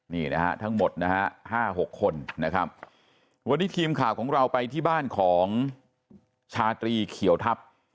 นี่นะฮะทั้งหมดนะฮะ๕๖คนนะครับวันนี้ทีมข่าวของเราไปที่บ้านของชาตรีเขียวทัพ